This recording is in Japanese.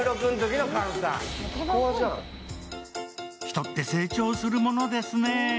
人って、成長するものですね。